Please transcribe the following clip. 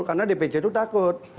karena dpc itu takut